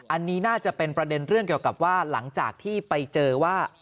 อันนี้น่าจะเป็นประเด็นเรื่องเกี่ยวกับว่าหลังจากที่ไปเจอว่า